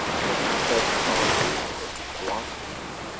They pass out of mythology into philosophy.